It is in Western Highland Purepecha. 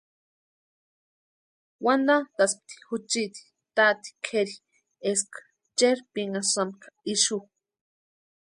Wantantʼaspti juchiti táti kʼéri eska cherpinhasïampka ixu.